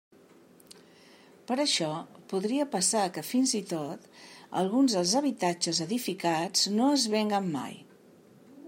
Per això, podria passar que fins i tot alguns dels habitatges edificats no es venguen mai.